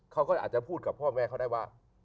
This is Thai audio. เขาก็อาจจะพูดกับพ่อแม่เขาได้ว่า